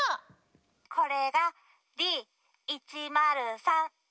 これがＤ１０３。